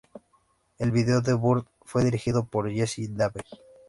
El vídeo de "Burn" fue dirigido por Jesse Davey.